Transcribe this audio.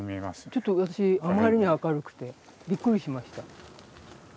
ちょっと私あまりに明るくてびっくりしました。